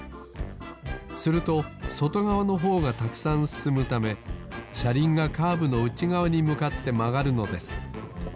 するとそとがわのほうがたくさんすすむためしゃりんがカーブのうちがわにむかってまがるのです